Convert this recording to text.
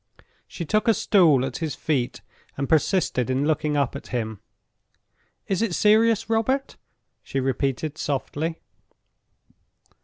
She took a stool at his feet, and persisted in looking up at him. "Is it serious, Robert?" she repeated, softly.